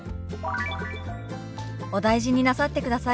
「お大事になさってください」。